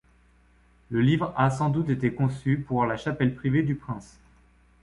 Le livre a sans doute été conçu pour la chapelle privée du prince.